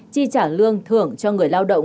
chi trả lương thưởng cho người lao động